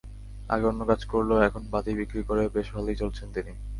আগে অন্য কাজ করলেও এখন বাতি বিক্রি করে বেশ ভালোই চলছেন তিনি।